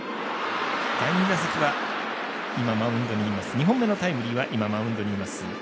第２打席は２本目のタイムリーはマウンドにいます